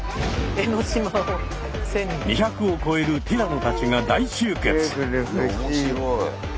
２００を超えるティラノたちが大集結。